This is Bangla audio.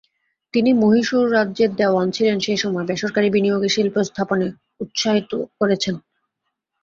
তিনি মহীশূর রাজ্যের দেওয়ান ছিলেন সেসময় বেসরকারি বিনিয়োগে শিল্পস্থাপনে উৎসাহিত করেছেন।